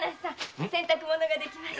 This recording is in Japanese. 洗濯物ができました。